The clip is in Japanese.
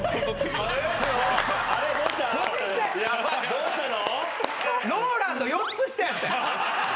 どうしたの？